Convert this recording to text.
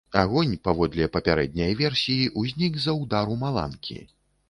Агонь, паводле папярэдняй версіі, узнік з-за ўдару маланкі.